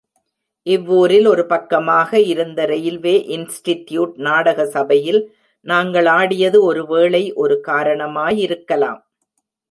இவ்வூரில் ஒரு பக்கமாக இருந்த ரெயில்வே இன்ஸ்டிட்யூட் நாடக சபையில் நாங்கள் ஆடியது ஒரு வேளை ஒரு காரணமாயிருக்கலாம்.